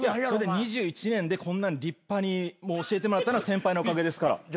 それで２１年でこんな立派に。教えてもらったのは先輩のおかげですから。